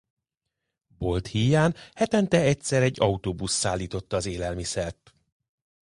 Bolt híján hetente egyszer egy autóbusz szállította az élelmiszert.